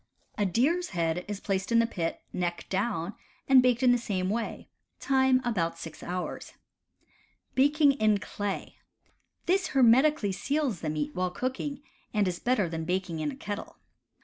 A deer's head is placed in the pit, neck down, and baked in the same way: time about six hours. Baking in Clay. — This hermetically seals the meat while cooking, and is better than baking in a kettle.